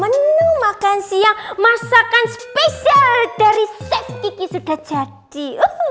menu makan siang masakan spesial dari chef kiki sudah selesai